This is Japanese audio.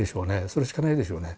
それしかないでしょうね。